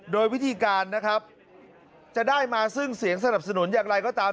โดยวิธีการนะครับจะได้มาซึ่งเสียงสนับสนุนอย่างไรก็ตาม